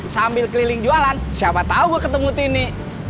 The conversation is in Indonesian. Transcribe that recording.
sambil keliling jualan siapa tahu gue ketemu tini